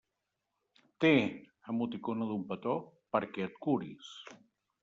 Té —emoticona d'un petó—, perquè et curis.